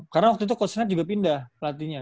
karena waktu itu coach ned juga pindah pelatihnya